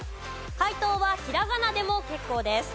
解答はひらがなでも結構です。